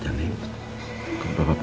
kalau bapak punya salah sama kamu